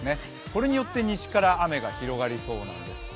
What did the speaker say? これによって西から雨が広がりそうなんです。